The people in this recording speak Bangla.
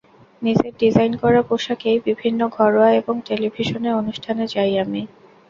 নিজের ডিজাইন করা পোশাকেই বিভিন্ন ঘরোয়া এবং টেলিভিশনের অনুষ্ঠানে যাই আমি।